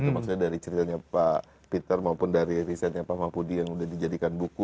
maksudnya dari ceritanya pak peter maupun dari risetnya pak mahpudi yang sudah dijadikan buku